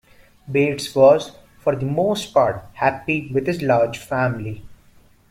Bates was, for the most part, happy with his large family.